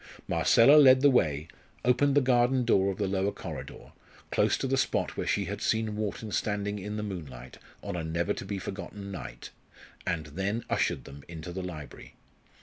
Marcella led the way, opened the garden door of the lower corridor, close to the spot where she had seen Wharton standing in the moonlight on a never to be forgotten night, and then ushered them into the library.